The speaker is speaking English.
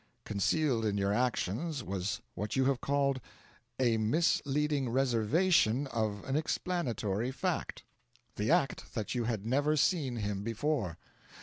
Concealed in your actions was what you have called "a misleading reservation of an explanatory fact" the act that you had never seen him before.